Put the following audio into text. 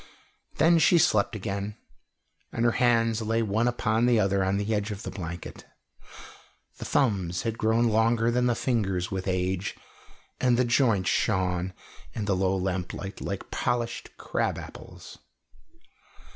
Then she slept again, and her hands lay one upon the other on the edge of the blanket; the thumbs had grown longer than the fingers with age, and the joints shone in the low lamplight like polished crab apples.